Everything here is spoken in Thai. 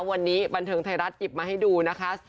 วันนี้บันเทิงไทยรัฐหยิบมาให้ดูนะคะ